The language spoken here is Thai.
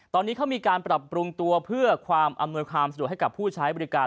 ตอนนี้เขามีการปรับปรุงตัวเพื่อความอำนวยความสะดวกให้กับผู้ใช้บริการ